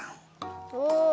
お。